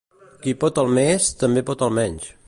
Qui pot el més, també pot el menys.